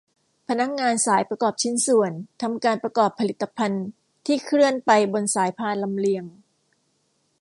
พนักงานสายประกอบชิ้นส่วน ทำการประกอบผลิตภัณฑ์ ที่เคลื่อนไปบนสายพานลำเลียง